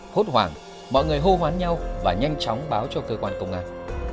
hốt hoảng mọi người hô hoán nhau và nhanh chóng báo cho cơ quan công an